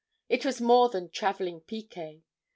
It was more than travelling picquet.